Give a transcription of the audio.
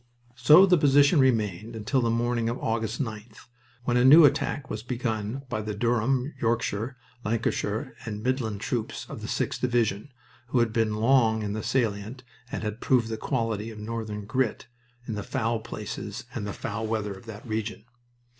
So the position remained until the morning of August 9th, when a new attack was begun by the Durham, Yorkshire, Lancashire, and Midland troops of the 6th Division, who had been long in the salient and had proved the quality of northern "grit" in the foul places and the foul weather of that region.